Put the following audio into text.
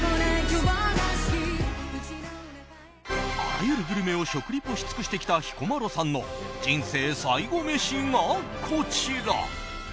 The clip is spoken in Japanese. あらゆるグルメを食リポし尽くしてきた彦摩呂さんの人生最後メシがこちら！